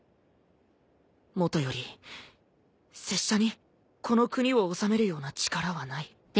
もとより拙者にこの国を治めるような力はない。